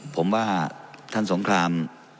ผมว่าท่านสงคราม